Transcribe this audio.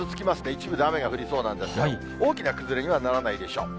一部で雨が降りそうなんですけれども、大きな崩れにはならないでしょう。